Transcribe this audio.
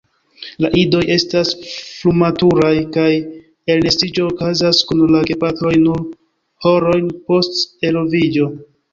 La idoj estas frumaturaj, kaj elnestiĝo okazas kun la gepatroj nur horojn post eloviĝo.